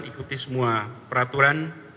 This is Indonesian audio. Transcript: ikuti semua peraturan